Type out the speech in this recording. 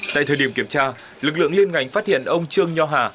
tại thời điểm kiểm tra lực lượng liên ngành phát hiện ông trương nho hà